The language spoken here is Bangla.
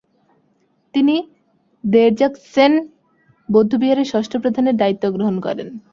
তিনি র্দ্জোগ্স-ছেন বৌদ্ধবিহারের ষষ্ঠ প্রধানের দায়িত্ব গ্রহণ করেন।